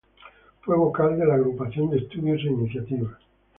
Fue vocal de la Agrupación de Estudios e Iniciativas.